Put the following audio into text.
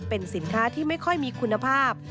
เป็นสินค้าที่ไม่ค่อยมีคุณภาพ